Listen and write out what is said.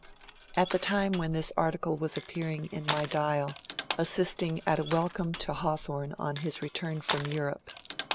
At the time when this article was appearing in my *^ Dial " I was in Boston assisting at a welcome to Hawthorne on his return from Europe.